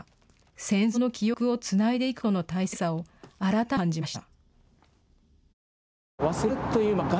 戦争の記憶をつないでいくことの大切さを改めて感じました。